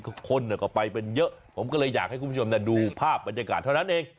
คนก็ไปเป็นเยอะผมก็เลยอยากให้คุณผู้ชมดูภาพบรรยากาศเท่านั้นเอง